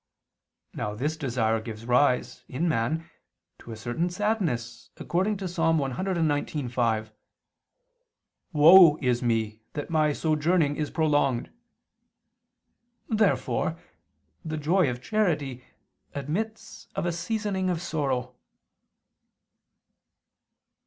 Now this desire gives rise, in man, to a certain sadness, according to Ps. 119:5: "Woe is me that my sojourning is prolonged!" Therefore the joy of charity admits of a seasoning of sorrow.